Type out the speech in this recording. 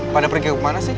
pada pergi kemana sih